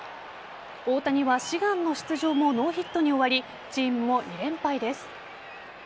大谷は志願の出場もノーヒットに終わりチームも２連敗です。